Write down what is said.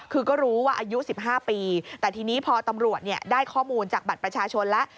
คือก็รู้ว่าอายุ๑๕ปีแต่ทีนี้พอตำรวจได้ข้อมูลจากบัตรประชาชนแล้ว